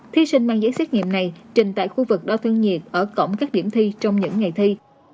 thí sinh mang giấy xét nghiệm này trình tại khu vực đo thân nhiệt ở cổng các điểm thi trong những ngày thi